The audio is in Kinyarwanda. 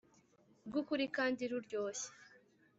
rwukuri kandi ruryoshye